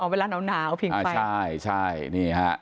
เวลาน้ำหนาวผิงไฟ